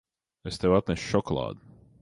Es tev atnesu šokolādi.